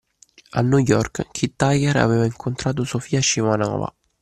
A New York, Kid Tiger aveva incontrato Sofia Scimanova;